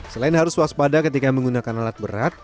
selain harus waspada ketika menggunakan alat berat